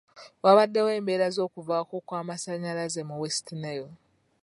Wabaddewo embeera z'okuvaako kw'amasanyalaze mu West Nile.